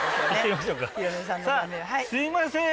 すいません。